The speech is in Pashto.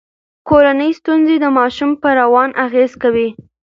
کورنۍ ستونزې د ماشوم په روان اغیز کوي.